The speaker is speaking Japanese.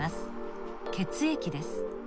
血液です。